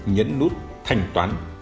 nhấn nút thanh toán